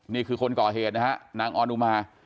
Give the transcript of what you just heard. นี่คือคนก่อเหตุนะฮะนางออนอุมา